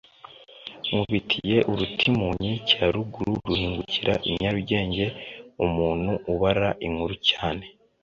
Nkubitiye uruti mu nkike ya ruguru ruhinguka i Nyarugenge-Umuntu ubara inkuru cyane.